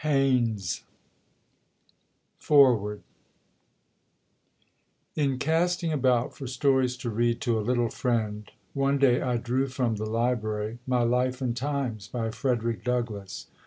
Thorpe Foreword IN casting about for stories to read to a little friend, one day I drew from the Library "My Life and Times" by Frederick Douglass.